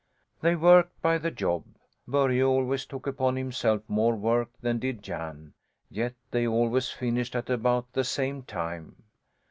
They worked by the job. Börje always took upon himself more work than did Jan, yet they always finished at about the same time.